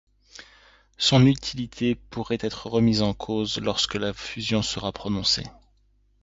Son utilité pourrait être remise en cause lorsque la fusion sera prononcée.